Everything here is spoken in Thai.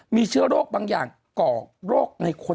มีเชื้อโรคบางอย่างก่อโรคในคน